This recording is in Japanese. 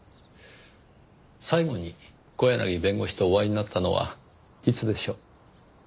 最後に小柳弁護士とお会いになったのはいつでしょう？